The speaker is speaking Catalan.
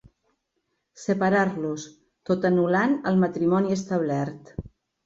Separar-los tot anul·lant el matrimoni establert.